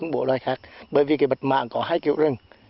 bởi vì bạch mạc có hai kiểu rừng